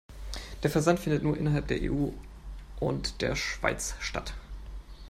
Der Versand findet nur innerhalb der EU und der Schweiz statt.